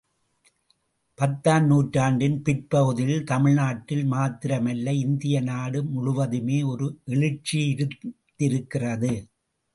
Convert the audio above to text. பத்தாம் நூற்றாண்டின் பிற்பகுதியில் தமிழ்நாட்டில் மாத்திரம் அல்ல இந்திய நாடு முழுவதுமே ஒரு எழுச்சி இருந்திருக்கிறது.